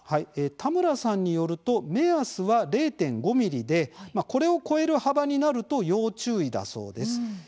田村さんによると目安は０．５ｍｍでこれを超える幅になると要注意だそうです。